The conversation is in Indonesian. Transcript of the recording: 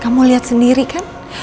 kamu liat sendiri kan